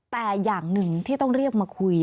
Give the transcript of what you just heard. แต่อย่างหนึ่งที่ต้องเรียกมาคุย